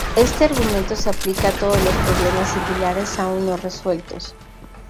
Este argumento se aplica a todos los problemas similares aún no resueltos.